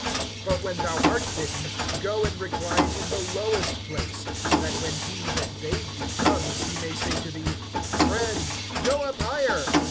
(10)But when thou art bidden, go and recline in the lowest place; that when he that bade thee comes, he may say to thee, Friend, go up higher.